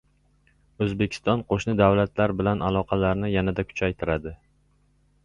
O‘zbekiston qo‘shni davlatlar bilan aloqalarni yanada kuchaytiradi